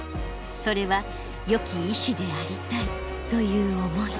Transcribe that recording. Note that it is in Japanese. それはよき医師でありたいという思い。